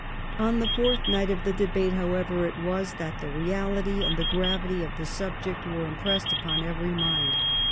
'' On the fourth night of the debate, however, it was that the reality and the gravity of the subject were impressed upon every mind.